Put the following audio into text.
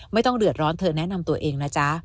ไม่ต้องเดือดร้อนเธอแนะนำตัวเองนะจ๊ะ